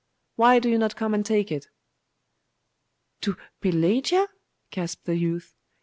why do you not come and take it?' 'To Pelagia?' gasped the youth.